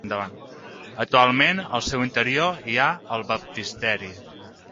Actualment al seu interior hi ha el baptisteri.